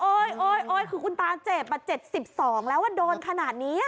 โอ๊ยคือคุณตาเจ็บ๗๒แล้วโดนขนาดนี้